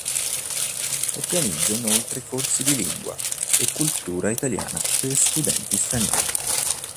Organizza inoltre corsi di lingua e cultura italiana per studenti stranieri.